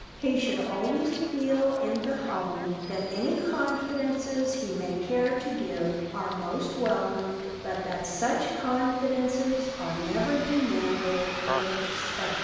He should always feel in the home that any confidences he may care to give are most welcome, but that such confidences are never demanded or expected.